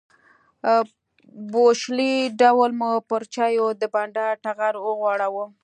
بوشلې ډول مو پر چایو د بانډار ټغر وغوړاوه.